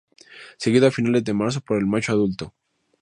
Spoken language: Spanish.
Seguido a finales de marzo por el macho adulto.